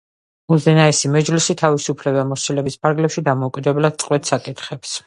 უზენაესი მეჯლისი თავისი უფლებამოსილების ფარგლებში დამოუკიდებლად წყვეტს საკითხებს.